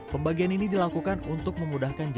pembagian ini dilakukan untuk memudahkan jemaah haji